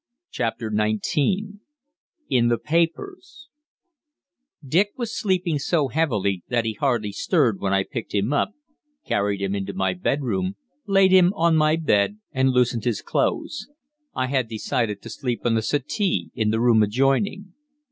CHAPTER XIX "IN THE PAPERS" Dick was sleeping so heavily that he hardly stirred when I picked him up, carried him into my bedroom, laid him on my bed and loosened his clothes; I had decided to sleep on the settee in the room adjoining.